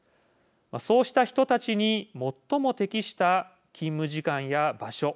そうした人たちに最も適した勤務時間や場所